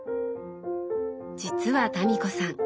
実は民子さん